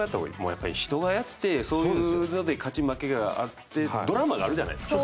やっぱり人がやってそういうので勝ち負けがあってドラマがあるじゃないですか。